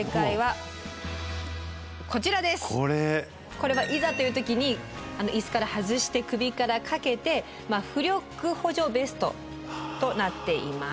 これはいざという時に椅子から外して首からかけて浮力補助ベストとなっています。